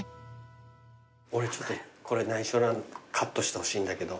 俺ちょっとこれ内緒カットしてほしいんだけど。